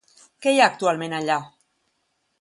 Què hi ha actualment allà?